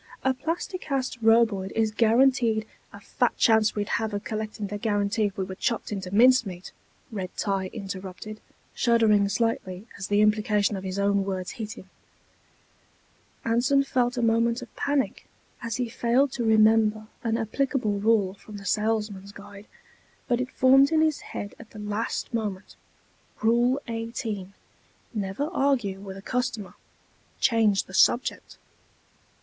A Plasti Cast Roboid is guaranteed...." "A fat chance we'd have of collecting the guarantee if we were chopped into mincemeat," Red tie interrupted, shuddering slightly as the implication of his own words hit him. Anson felt a moment of panic as he failed to remember an applicable rule from the Salesman's Guide, but it formed in his mind at the last moment: _Rule 18: Never argue with a customer change the subject.